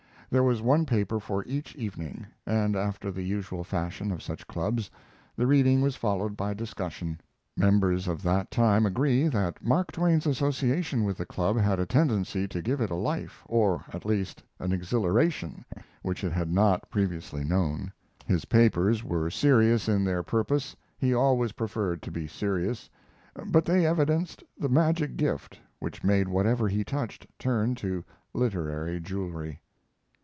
There was one paper for each evening, and, after the usual fashion of such clubs, the reading was followed by discussion. Members of that time agree that Mark Twain's association with the club had a tendency to give it a life, or at least an exhilaration, which it had not previously known. His papers were serious in their purpose he always preferred to be serious but they evidenced the magic gift which made whatever he touched turn to literary jewelry.